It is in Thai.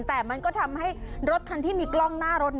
แต่มันก็ทำให้รถคันที่มีกล้องหน้ารถ